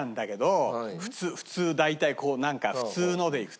普通大体こうなんか普通のでいくと。